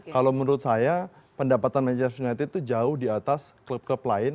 kalau menurut saya pendapatan manchester united itu jauh di atas klub klub lain